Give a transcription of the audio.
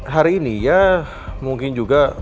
hari ini ya mungkin juga